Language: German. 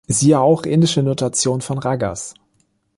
Siehe auch Indische Notation von Ragas.